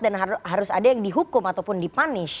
dan harus ada yang dihukum ataupun di punish